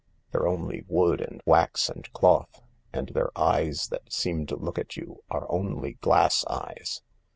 They're only wood and wax and cloth, and their eyes that seem to look at you are only glass eyes.